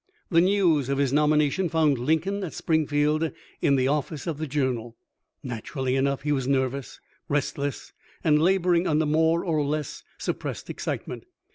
The news of his nomination found Lincoln at Springfield in the office of Mhe Journal. Naturally enough he was nervous, restless, and laboring under more or less suppressed excitement.